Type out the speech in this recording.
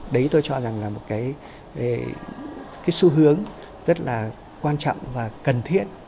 đấy tôi cho rằng là một cái xu hướng rất là quan trọng và cần thiết